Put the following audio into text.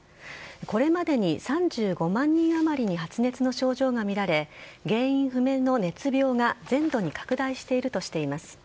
これまでに、３５万人余りに発熱の症状がみられ原因不明の熱病が全土に拡大しているとしています。